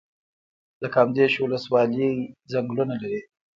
د کامدیش ولسوالۍ ځنګلونه لري